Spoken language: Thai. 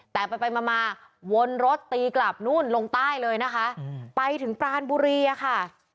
แต่ไปไปมามาวนรถตีกลับนู่นลงใต้เลยนะคะไปถึงปรานบุรีอะค่ะ